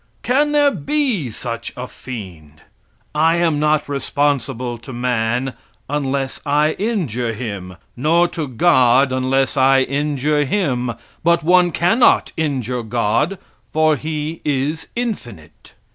Can there be such a fiend? I am not responsible to man unless I injure him; nor to God unless I injure Him, but one cannot injure God, for "He is infinite."